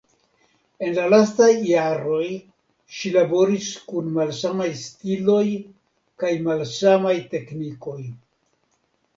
En la lastaj jaroj ŝi laboris kun malsamaj stiloj kaj malsamaj teknikoj.